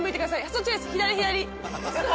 そっちです左左。